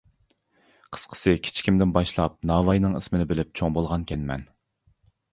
قىسقىسى كىچىكىمدىن باشلاپ ناۋايىنىڭ ئىسمىنى بىلىپ چوڭ بولغانكەنمەن.